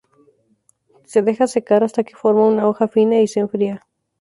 Se deja secar hasta que forma una hoja fina, y se enfría.